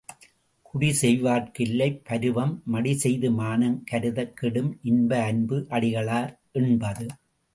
குடி செய்வார்க் கில்லை பருவம் மடிசெய்து மானம் கருதக் கெடும் இன்ப அன்பு அடிகளார் எண்பது.